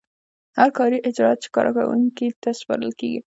هر کاري اجراات چې کارکوونکي ته سپارل کیږي.